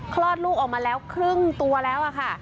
คลอดลูกออกมาแล้วครึ่งตัวแล้วค่ะ